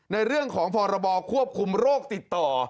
ในเรื่องของพรบควบคุมโรคติดต่อ